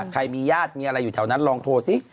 ใครมีญาติมีอะไรอยู่แถวนั้นลองโทรสิ